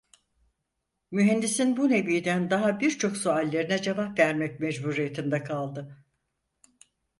Mühendisin bu neviden daha birçok suallerine cevap vermek mecburiyetinde kaldı.